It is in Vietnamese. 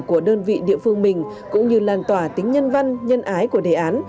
của đơn vị địa phương mình cũng như làn tỏa tính nhân văn nhân ái của đề án